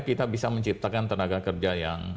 kita bisa menciptakan tenaga kerja yang